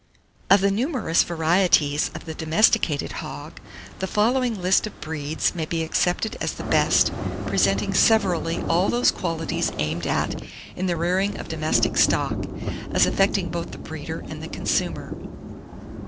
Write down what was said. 778. OF THE NUMEROUS VARIETIES OF THE DOMESTICATED HOG, the following list of breeds may be accepted as the best, presenting severally all those qualities aimed at in the rearing of domestic stock, as affecting both the breeder and the consumer.